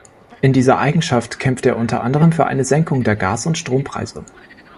In dieser Eigenschaft kämpfte er unter anderem für eine Senkung der Gas- und Strompreise.